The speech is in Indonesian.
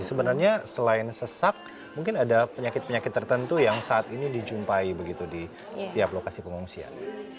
sebenarnya selain sesak mungkin ada penyakit penyakit tertentu yang saat ini dijumpai begitu di setiap lokasi pengungsian